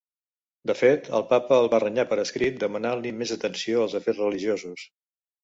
De fet, el Papa el va renyar per escrit demanant-li més atenció als afers religiosos.